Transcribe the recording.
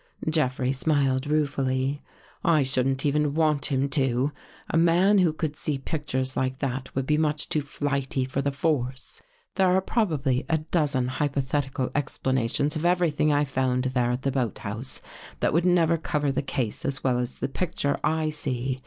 Jeffrey smiled ruefully. " I shouldn't even want him to. A man who could see pictures like that would be much too flighty for the force. There are probably a dozen hypothetical explanations of everything I found there at the boathouse, that would cover the case as well as the picture I see.